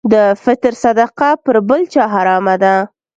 د فطر صدقه پر بل چا حرامه ده.